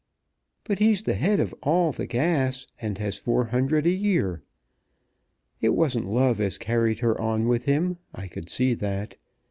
"But he's the head of all the gas, and has four hundred a year. It wasn't love as carried her on with him. I could see that.